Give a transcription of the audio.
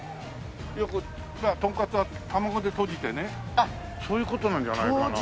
よくさトンカツは卵でとじてねそういう事なんじゃないかな。